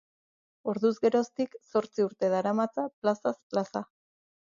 Orduz geroztik zortzi urte daramatza plazaz plaza.